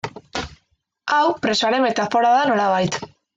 Hau presoaren metafora da nolabait.